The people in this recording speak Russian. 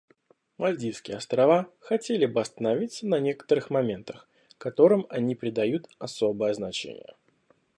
Мальдивские Острова хотели бы остановиться на некоторых моментах, которым они придают особое значение.